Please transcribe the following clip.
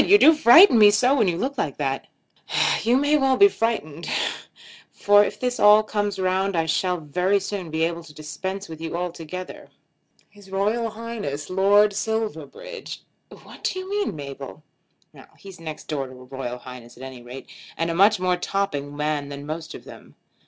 You do frighten me so when you look like that." "You may well be frightened, for if this all comes round I shall very soon be able to dispense with you altogether. His Royal Highness Lord Silverbridge " "What do you mean, Mabel?" "He's next door to a Royal Highness at any rate, and a much more topping man than most of them.